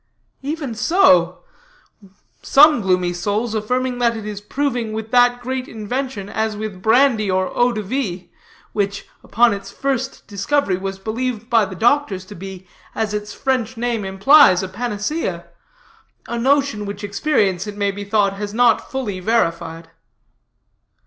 "Even so; some gloomy souls affirming that it is proving with that great invention as with brandy or eau de vie, which, upon its first discovery, was believed by the doctors to be, as its French name implies, a panacea a notion which experience, it may be thought, has not fully verified."